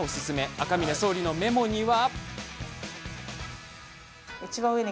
赤嶺総理のメモには。